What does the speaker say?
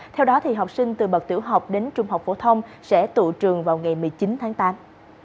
theo đó học sinh từ bậc tiểu học đến trung học phổ thông sẽ tụ trường vào ngày một mươi chín tháng tám